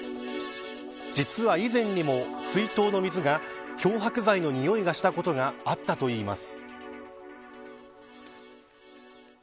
実は、以前にも水筒の水が漂白剤のにおいがしたことがあったといいます。